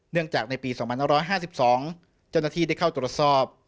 เนื่องจากในปี๒๕๕๒จนหน้าที่ได้เข้าตรวจสอบ